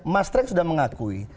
mas tren sudah mengakui